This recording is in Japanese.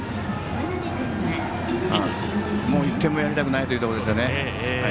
もう１点もやりたくないというところですね。